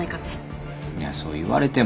いやそう言われても。